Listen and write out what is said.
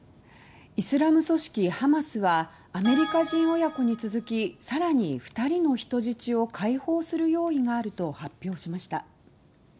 イスラム組織ハマスはアメリカ人親子に続き更に２人の人質を解放する用意があると発表しました。